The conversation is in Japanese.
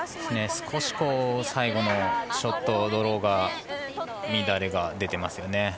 少し最後のショットドローに乱れが出てますね。